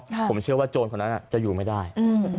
ค่ะผมเชื่อว่าโจรคนนั้นอ่ะจะอยู่ไม่ได้อืม